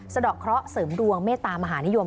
สะดอกเคราะห์เสริมดวงเมตามหานิยม